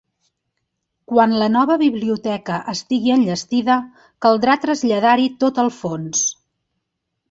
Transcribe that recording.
Quan la nova biblioteca estigui enllestida, caldrà traslladar-hi tot el fons.